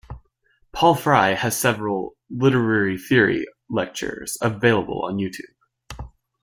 Paul Fry has several 'literary theory' lectures available on YouTube.